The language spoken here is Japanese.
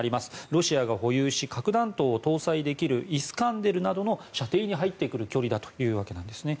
ロシアが保有し核弾頭を搭載できるイスカンデルなどの射程に入ってくる距離だということです。